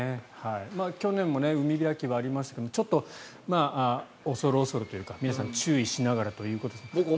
去年も海開きはありましたけれどちょっと恐る恐るというか皆さん注意しながらということですが。